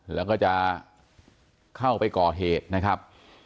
แล้วก็จะเข้าไปก่อเหตุนะครับ